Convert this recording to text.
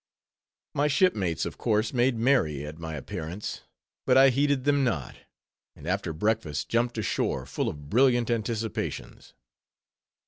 My shipmates, of course, made merry at my appearance; but I heeded them not; and after breakfast, jumped ashore, full of brilliant anticipations.